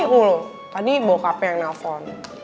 wuluh tadi bawa ke hp yang nelfon